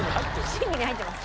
審議に入ってます。